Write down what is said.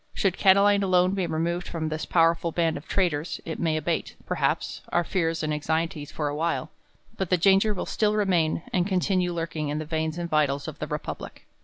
Should Catiline alone be removed from this powerful band of traitors. It may abate, perhaps, our fears and .anxieties for a Tvhile ; but the danger will still remain, and continue lurkmg in the veins and vitals of the republic.